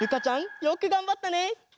よくがんばったね！